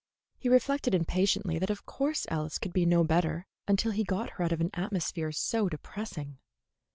He reflected impatiently that of course Alice could be no better until he got her out of an atmosphere so depressing.